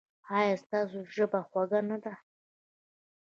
ایا ستاسو ژبه خوږه نه ده؟